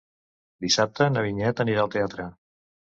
Dissabte na Vinyet anirà al teatre.